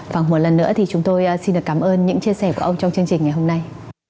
và một lần nữa thì chúng tôi xin được cảm ơn những chia sẻ của ông trong chương trình ngày hôm nay